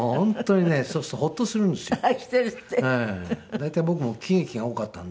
大体僕も喜劇が多かったんで。